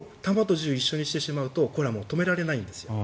そうしますと弾と銃を一緒にしてしまうとこれは止められないんですよ。